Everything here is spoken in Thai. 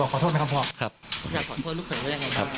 ลูกเผยไหมฮะเคยจะบอกขอโทษไหมครับพ่อครับอยากขอโทษลูกเผยก็ยังไงครับ